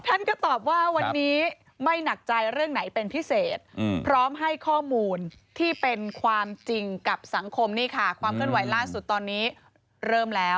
ท่านก็ตอบว่าวันนี้ไม่หนักใจเรื่องไหนเป็นพิเศษพร้อมให้ข้อมูลที่เป็นความจริงกับสังคมนี่ค่ะความเคลื่อนไหวล่าสุดตอนนี้เริ่มแล้ว